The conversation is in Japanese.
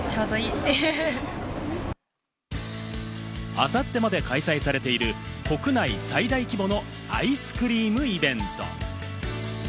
あさってまで開催されている、国内最大規模のアイスクリームイベント。